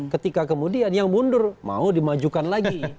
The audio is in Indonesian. ketika kemudian yang mundur mau dimajukan lagi